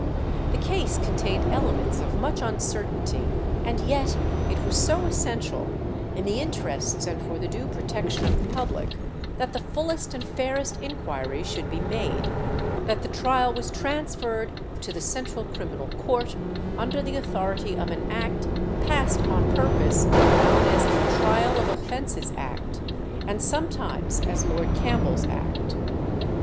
The case contained elements of much uncertainty, and yet it was so essential, in the interests and for the due protection of the public, that the fullest and fairest inquiry should be made, that the trial was transferred to the Central Criminal Court, under the authority of an Act passed on purpose, known as the Trial of Offences Act, and sometimes as Lord Campbell's Act.